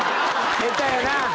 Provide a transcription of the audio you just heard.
下手やな。